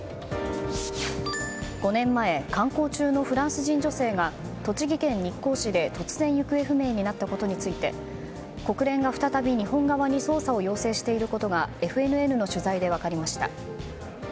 ５年前観光中のフランス人女性が栃木県日光市で突然行方不明になったことについて国連が再び日本側に捜査を要請していることがＦＮＮの取材で分かりました。